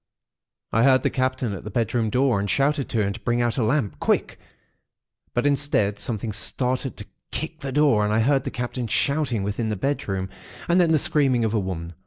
I heard the Captain at the bedroom door, and shouted to him to bring out a lamp, quick; but instead, something started to kick the door, and I heard the Captain shouting within the bedroom, and then the screaming of the women.